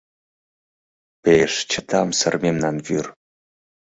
Пеш чытамсыр мемнан вӱр.